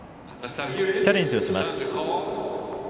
チャレンジをします。